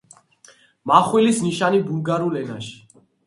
მახვილის ნიშანი ბულგარულ ენაში.